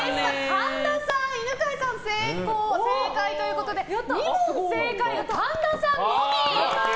神田さん、犬飼さん正解ということで２問正解は神田さんのみ。